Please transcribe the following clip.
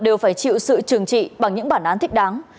đều phải chịu sự trừng trị bằng những bản án thích đáng